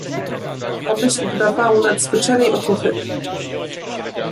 "Ta myśl dodawała mu nadzwyczajnej otuchy."